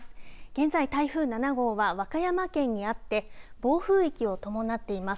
現在、台風７号は和歌山県にあって暴風域を伴っています。